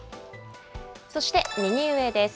そして右上です。